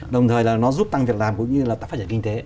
đồng thời là nó giúp tăng việc làm cũng như là tăng phát triển kinh tế